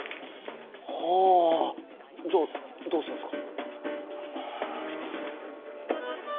はあじゃどうすんすか？